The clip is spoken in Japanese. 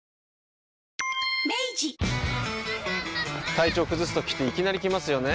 体調崩すときっていきなり来ますよね。